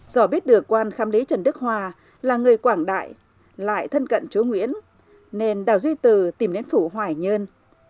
do biết được quan khám lý trần đức hòa là người quảng đại lại thân cận chúa nguyễn nên đào duy từ tìm đến phủ hoài nhơn